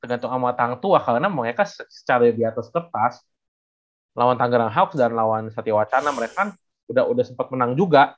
tergantung sama hang tuah karena mereka secara di atas kertas lawan tanggerang hauks dan lawan satya wacana mereka kan udah sempat menang juga